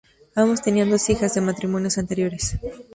Ambos tenían dos hijas, de matrimonios anteriores.